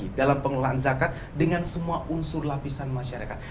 di dalam pengelolaan zakat dengan semua unsur lapisan masyarakat